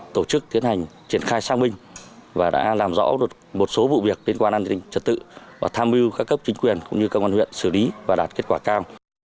tổ chức tiến hành triển khai sang minh và đã làm rõ một số vụ việc liên quan an ninh trật tự và tham mưu các cấp chính quyền cũng như công an huyện xử lý và đạt kết quả cao